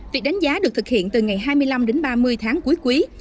việc đánh giá được thực hiện từ ngày hai mươi năm đến ba mươi tháng cuối quý